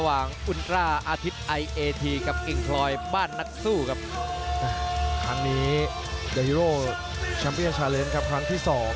มันคือสีลิลักษณ์มวยไทยเจมส์อัลตราอาทิตย์อายเอเอที